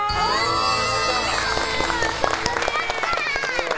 やったー！